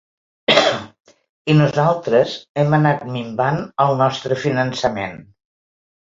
I nosaltres hem anat minvant els nostre finançament.